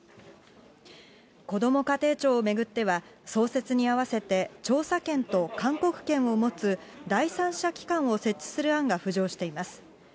こども家庭庁を巡っては、創設に合わせて、調査権と勧告権を持つ第三者機関を設置する案が浮上しています。